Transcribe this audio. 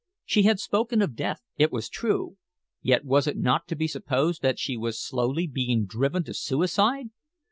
She had spoken of death, it was true, yet was it not to be supposed that she was slowly being driven to suicide?